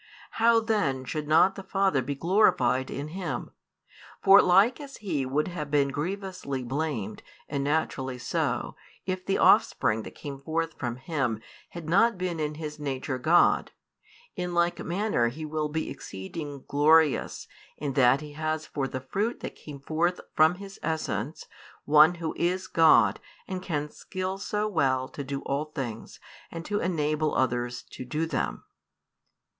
How then should not the Father be glorified in Him? For like as He would have been grievously blamed, and naturally so, if the Offspring that came forth from Him had not been in His nature God; in like manner He will be exceeding glorious in that He has for the Fruit that came forth from His essence One Who is God and can skill so well to do all things and to enable others to do them.